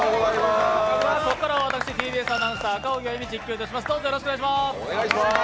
ここからは私ＴＢＳアナウンサー赤荻歩実況いたします。